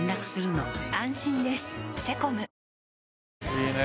いいね。